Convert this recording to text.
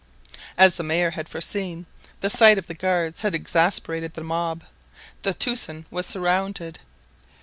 As the mayor had foreseen, the sight of the guards had exasperated the mob. The tocsin was sounded.